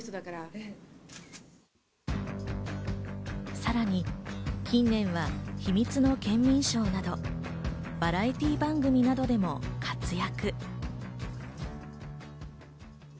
さらに近年は『秘密のケンミンＳＨＯＷ』などバラエティー番組などでも活躍。